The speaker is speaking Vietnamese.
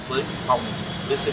với phòng dc hai công an tp hcm